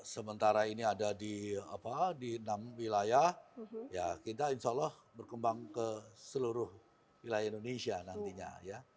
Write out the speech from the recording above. sementara ini ada di enam wilayah ya kita insya allah berkembang ke seluruh wilayah indonesia nantinya ya